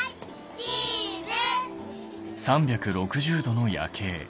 チーズ！